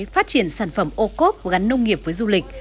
phát triển sản phẩm ô cốp gắn nông nghiệp với du lịch